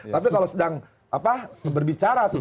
tapi kalau sedang berbicara tuh